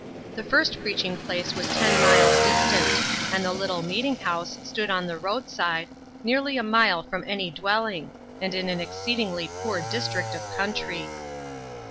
The first preaching place was ten miles distant, and the little meeting house stood on the roadside, nearly a mile from any dwelling, and in an exceedingly poor district of country.